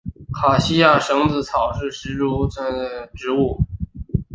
卡西亚蝇子草是石竹科蝇子草属的植物。